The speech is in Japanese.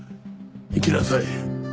行きなさい。